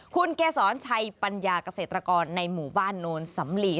คุณเกษรชัยปัญญาเกษตรกรในหมู่บ้านโนนสำลี